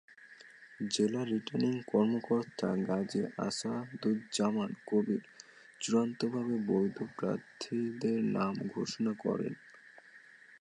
জেলা রিটার্নিং কর্মকর্তা গাজী আসাদুজ্জামান কবির চূড়ান্তভাবে বৈধ প্রার্থীদের নাম ঘোষণা করেন।